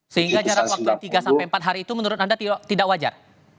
sehingga jarak waktu tiga sampai empat hari itu menurut anda tidak wajar